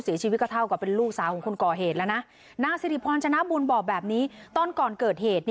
เสียชีวิตก็เท่ากับเป็นลูกสาวของคนก่อเหตุแล้วนะนางสิริพรชนะบุญบอกแบบนี้ตอนก่อนเกิดเหตุ